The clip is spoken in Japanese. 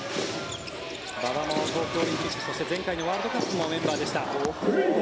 馬場も東京オリンピックそして前回のワールドカップもメンバーでした。